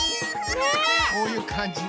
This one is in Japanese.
こういうかんじね。